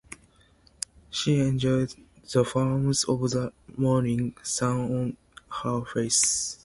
She enjoyed the warmth of the morning sun on her face.